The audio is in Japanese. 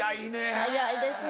早いですね。